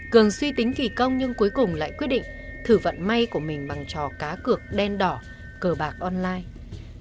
cường suy tính kỳ công nhưng cuối cùng lại quyết định thử vận may của mình bằng trò cá cược đen đỏ cờ bạc online